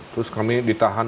terus kami ditahan